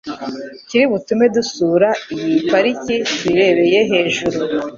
Kiri butume dusura uyi pariki tuyirebeye hejuru